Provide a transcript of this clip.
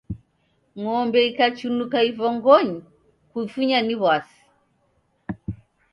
Ng'ombe ikachunuka ivongoyi, kuifunya ni w'asi.